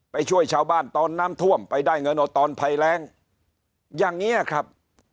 ไปช่วยชาวบ้านตอนน้ำท่วมไปได้เงินเอาตอนภัยแรงอย่างนี้ครับ